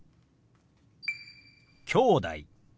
「きょうだい」。